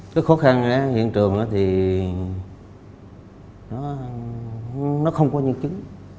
cái khó khăn hiện trường thì nó không có nhân chứng